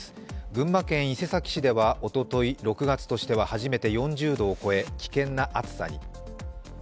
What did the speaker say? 群馬県伊勢崎市ではおととい６月としては初めて４０度を超え危険な暑さに。